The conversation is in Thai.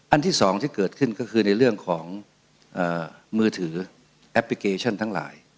อันที่สองที่เกิดขึ้นก็คือในเรื่องของมือถือทั้งหลาย